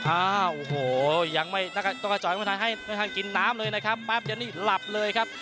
อ้าวโอ้โหยังไม่ต้องกระจอยไม่ทันให้ไม่ทันกินน้ำเลยนะครับแป๊บเดียวนี่หลับเลยครับ